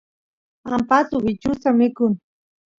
ampatu bichusta mikun